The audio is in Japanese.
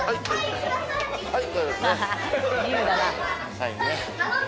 サインね。